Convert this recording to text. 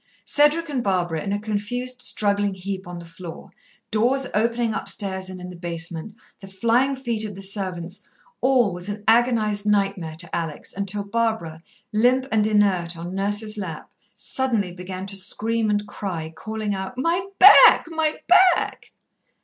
Cedric and Barbara in a confused struggling heap on the floor doors opening upstairs and in the basement the flying feet of the servants all was an agonized nightmare to Alex until Barbara, limp and inert on Nurse's lap, suddenly began to scream and cry, calling out, "My back! my back!"